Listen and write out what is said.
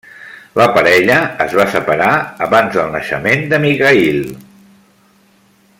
La parella es va separar abans del naixement de Mikhaïl.